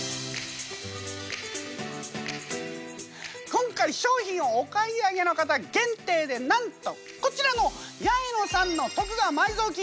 今回商品をお買い上げの方限定でなんとこちらの八重野さんの徳川埋蔵金